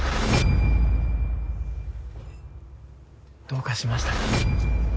どうかしましたか？